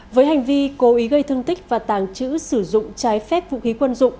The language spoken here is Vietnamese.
với hành vi cố ý gây thương tích và tàng trữ sử dụng trái phép vũ khí quân dụng